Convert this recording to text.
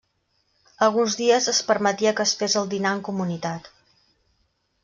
Alguns dies es permetia que es fes el dinar en comunitat.